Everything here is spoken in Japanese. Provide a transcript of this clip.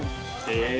へえ。